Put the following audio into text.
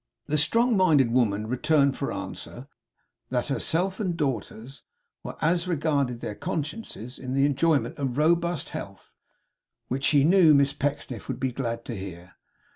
The strong minded women returned for answer, that herself and daughters were, as regarded their consciences, in the enjoyment of robust health, which she knew Miss Pecksniff would be glad to hear.